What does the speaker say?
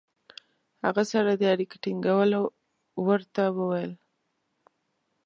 هغه سره د اړیکې ټینګولو ورته وویل.